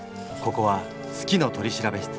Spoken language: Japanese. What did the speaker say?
ここは「好きの取調室」。